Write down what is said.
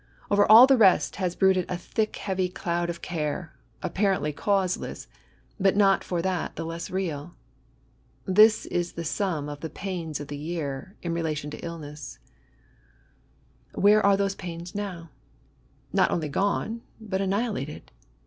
Over all the rest has brooded a thick heavy cloud of care, apparently causeless, but not for that the less real. This is the sum of the pains of the year^ in relation to b2 BSSAYB. illness. Where are these pains now ?— ^ffot dnly gone, but annihilated.